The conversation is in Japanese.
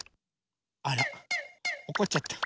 あらおこっちゃった。